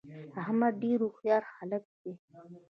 احمدډیرهوښیارهلک ده